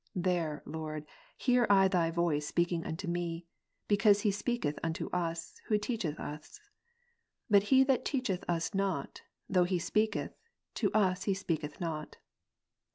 There, Lord, hear I Thy voice speaking unto me; because He speak eth unto us, who teacheth us ; but He that teacheth us not, though He speaketh, to us He speaketh not.